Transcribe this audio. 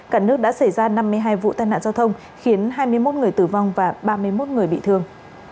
cả nước đã xảy ra năm mươi hai vụ tai nạn giao thông khiến hai mươi một người tử vong và ba mươi một người bị thương